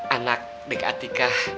anak dik atika